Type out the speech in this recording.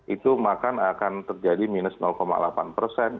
itu akan terjadi minus delapan persen